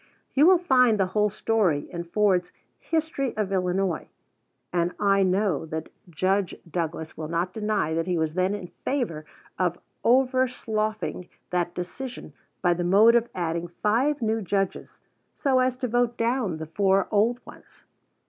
You will find the whole story in Ford's History of Illinois, and I know that Judge Douglas will not deny that he was then in favor of overslaughing that decision by the mode of adding five new judges, so as to vote down the four old ones.